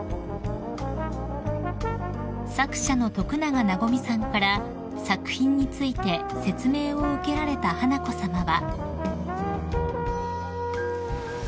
［作者の徳永なごみさんから作品について説明を受けられた華子さまは］